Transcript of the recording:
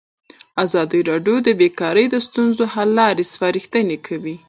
ازادي راډیو د بیکاري د ستونزو حل لارې سپارښتنې کړي.